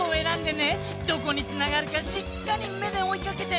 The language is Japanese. どこにつながるかしっかりめでおいかけて。